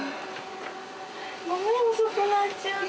ごめん遅くなっちゃって。